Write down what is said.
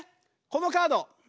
このカード。